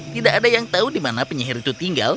tidak ada yang tahu di mana penyihir itu tinggal